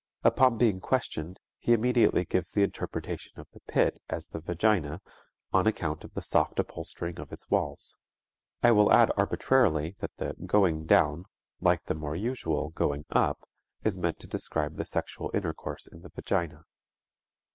Upon being questioned he immediately gives the interpretation of the pit as the vagina on account of the soft upholstering of its walls. I will add arbitrarily that the "going down" like the more usual "going up" is meant to describe the sexual intercourse in the vagina.